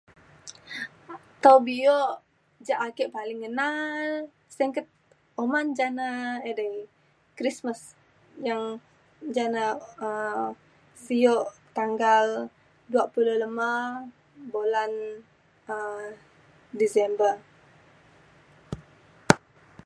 Taw bio ya ake paling ngena uman jana [unintelligible] um Christmas yang jana um sio tanggal dua pulo lema bulan um December